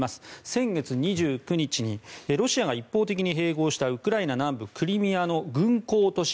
先月２９日にロシアが一方的に併合したウクライナ南部クリミアの軍港都市